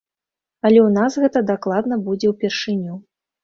Але ў нас гэта дакладна будзе ўпершыню.